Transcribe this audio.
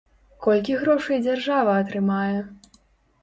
Колькі грошай дзяржава атрымае?